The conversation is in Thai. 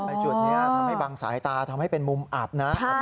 จุดนี้ทำให้บางสายตาทำให้เป็นมุมอับนะ